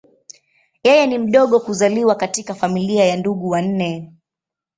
Yeye ni mdogo kuzaliwa katika familia ya ndugu wanne.